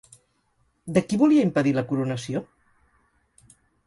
De qui volia impedir la coronació?